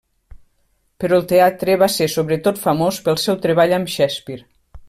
Però el teatre va ser sobretot famós pel seu treball amb Shakespeare.